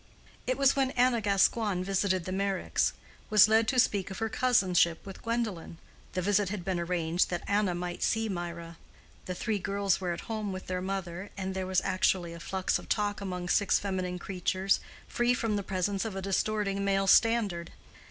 It was when Anna Gascoigne, visiting the Meyricks; was led to speak of her cousinship with Gwendolen. The visit had been arranged that Anna might see Mirah; the three girls were at home with their mother, and there was naturally a flux of talk among six feminine creatures, free from the presence of a distorting male standard.